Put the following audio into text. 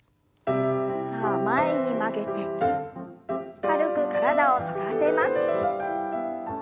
さあ前に曲げて軽く体を反らせます。